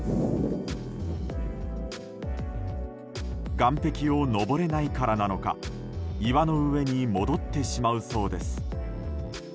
岸壁を登れないからなのか岩の上に戻ってしまうそうです。